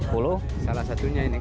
salah satunya ini